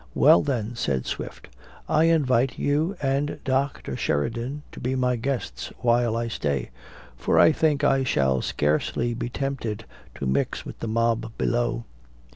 "Well then," said Swift, "I invite you and Dr. Sheridan to be my guests, while I stay; for I think I shall scarcely be tempted to mix with the mob below."